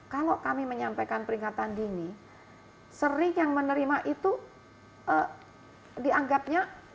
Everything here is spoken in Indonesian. kalau kami menyampaikan peringatan dini sering yang menerima itu dianggapnya